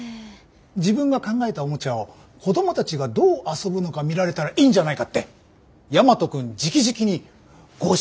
自分が考えたおもちゃを子どもたちがどう遊ぶのか見られたらいいんじゃないかって大和くんじきじきにご指名があったみたいでね。